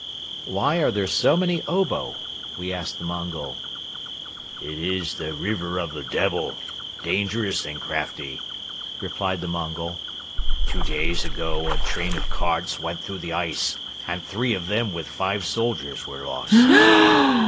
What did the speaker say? "Why are there so many obo?" we asked the Mongol. "It is the River of the Devil, dangerous and crafty," replied the Mongol. "Two days ago a train of carts went through the ice and three of them with five soldiers were lost."